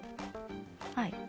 はい。